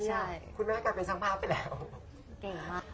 จริงเหรอคะคุณแม่กลับเป็นช้างภาพไปแล้ว